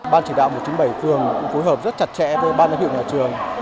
ban chỉ đạo một trăm chín mươi bảy phường cũng phối hợp rất chặt chẽ với ban giám hiệu nhà trường